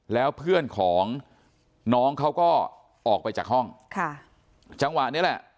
แล้วเพื่อนของน้องเขาก็ออกไปจากห้องค่ะจังหวะนี้แหละ